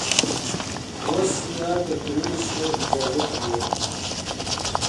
وس ݰویا کرکینے اݰٹو اجازت لیو